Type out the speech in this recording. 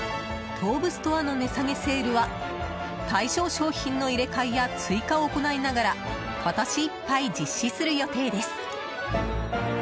東武ストアの値下げセールは対象商品の入れ替えや追加を行いながら今年いっぱい実施する予定です。